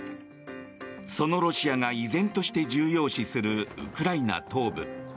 そのロシアが、依然として重要視するウクライナ東部。